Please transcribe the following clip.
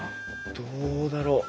どうだろ？